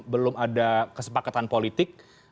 belum ada kesepakatan politik